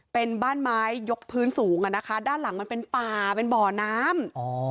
เป็นบ้านไม้ยกพื้นสูงอ่ะนะคะด้านหลังมันเป็นป่าเป็นบ่อน้ำ